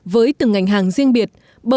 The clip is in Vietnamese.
với từng ngành hàng riêng biệt